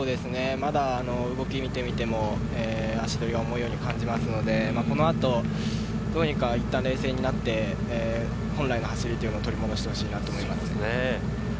まだ動きを見ていても足取りが重いように感じますので、この後どうにか、いったん冷静になって本来の走りというのを取り戻してほしいと思います。